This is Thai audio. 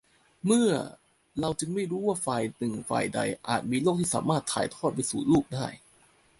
เมื่อ แล้วจึงไม่รู้ว่าฝ่ายหนึ่งฝ่ายใดอาจมีโรคที่สามารถถ่ายทอดไปสู่ลูกได้